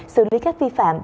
xử lý các vi phạm